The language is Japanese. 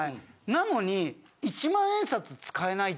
なのに。